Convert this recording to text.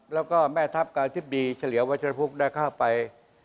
แล้วก็แม่ทัพการอธิบดีเฉลี่ยววัชรพุกได้เข้าไป